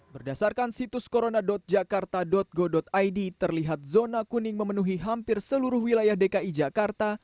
berdasarkan situs corona jakarta go id terlihat zona kuning memenuhi hampir seluruh wilayah dki jakarta